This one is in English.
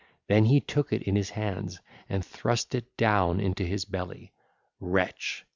Then he took it in his hands and thrust it down into his belly: wretch!